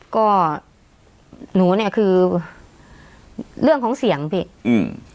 ก็หนูเนี้ยคือเรื่องของเสียงพี่อืม